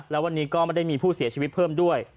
แล้ววันนี้ก็ไม่ได้มีผู้เสียชีวิตเพิ่มด้วย